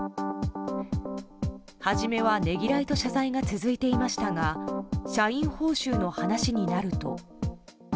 初めは、ねぎらいと謝罪が続いていましたが社員報酬の話になると。